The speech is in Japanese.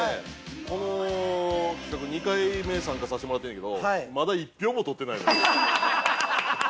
この企画２回目参加させてもらってるんやけどまだ１票も取ってないのよ。